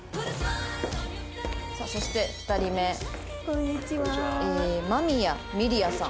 さあそして２人目間宮みりあさん。